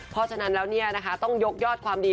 เพราะฉะนั้นแล้วต้องยกยอดความดี